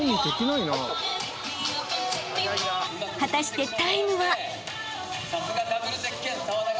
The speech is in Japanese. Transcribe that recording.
［果たしてタイムは？］